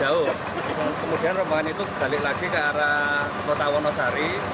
lalu jauh kemudian rombongan itu berbalik lagi ke arah kota wonosari